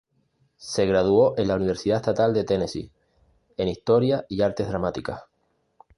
Se graduó en la Universidad Estatal de Tennessee en historia y artes dramáticas.